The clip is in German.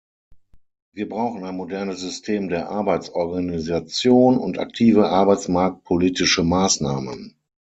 Wir brauchen ein modernes System der Arbeitsorganisation und aktive arbeitsmarktpolitische Maßnahmen.